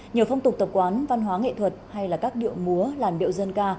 nhiều phong tục tập quán văn hóa nghệ thuật hay là các điệu múa làn điệu dân ca